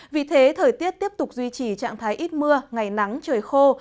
vì thế thời tiết tiếp tục duy trì trạng thái ít mưa ngày nắng trời khô